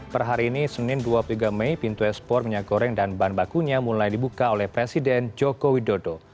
per hari ini senin dua puluh tiga mei pintu ekspor minyak goreng dan bahan bakunya mulai dibuka oleh presiden joko widodo